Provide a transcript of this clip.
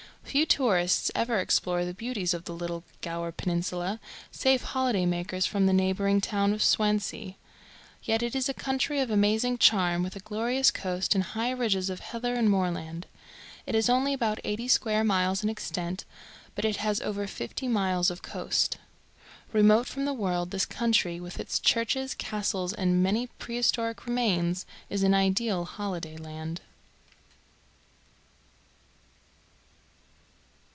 Few tourists ever explore the beauties of the little Gower Peninsula, save holiday makers from the neighbouring town of Swansea; yet it is a country of amazing charm, with a glorious coast and high ridges of heather and moorland. It is only about eighty square miles in extent, but it has over fifty miles of coast. Remote from the world, this country, with its churches, castles, and many prehistoric remains, is an ideal holiday land.